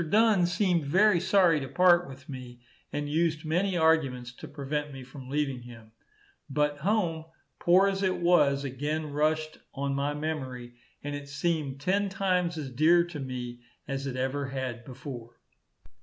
Dunn seemed very sorry to part with me, and used many arguments to prevent me from leaving him. But home, poor as it was, again rushed on my memory, and it seemed ten times as dear to me as it ever had before.